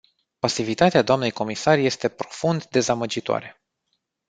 Pasivitatea dnei comisar este profund dezamăgitoare.